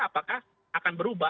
apakah akan berubah